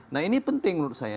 nah ini penting menurut saya